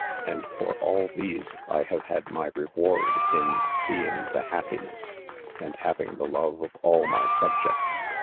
And for all these I have had my reward, in seeing the happiness, and having the love of all my subjects.